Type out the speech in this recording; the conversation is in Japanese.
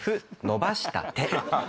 「のばした手」